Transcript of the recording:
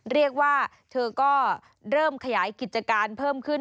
เรียกว่าเธอก็เริ่มขยายกิจการเพิ่มขึ้น